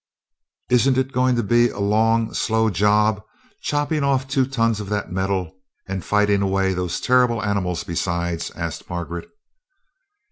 "Isn't it going to be a long, slow job, chopping off two tons of that metal and fighting away those terrible animals besides?" asked Margaret.